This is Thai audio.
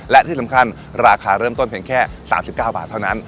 และที่สำคัญราคาเริ่มต้นเพียงแค่๓๙บาทเท่านั้น